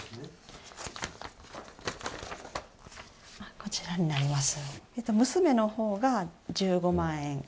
こちらになります。